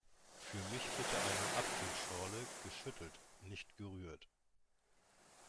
Für mich bitte eine Apfelschorle - geschüttelt, nicht gerührt!